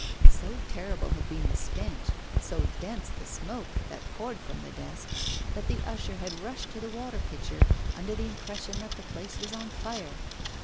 So terrible had been the stench, so dense the smoke that poured from the desk, that the usher had rushed to the water pitcher, under the impression that the place was on fire.